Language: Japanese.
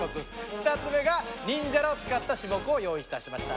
２つ目がニンジャラを使った種目を用意いたしました。